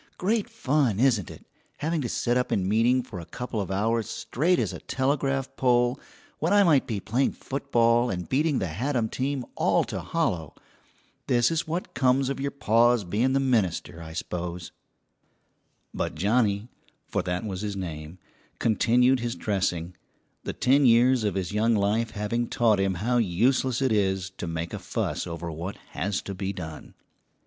"Great fun, isn't it, having to sit up in meeting for a couple of hours straight as a telegraph pole when I might be playing football and beating the Haddam team all to hollow! This is what comes of your pa's being the minister, I s'pose." [Footnote 24: From the Youth's Companion, November 29, 1900.] But Johnnie, for that was his name, continued his dressing, the ten years of his young life having taught him how useless it is to make a fuss over what has to be done.